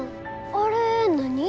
あれ何？